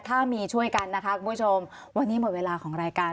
ถ้ามีช่วยกันค่ะวันนี้หมดเวลาของรายการ